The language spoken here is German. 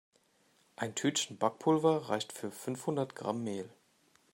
Ein Tütchen Backpulver reicht für fünfhundert Gramm Mehl.